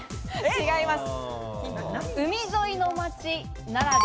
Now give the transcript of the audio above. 違います。